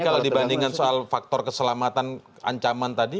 tapi kalau dibandingkan soal faktor keselamatan ancaman tadi